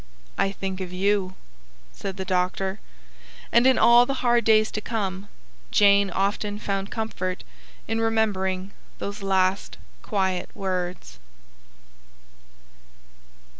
"I think of YOU," said the doctor. And in all the hard days to come, Jane often found comfort in remembering those last quiet words.